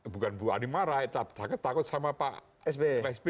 bukan ibu ani marah takut sama pak s b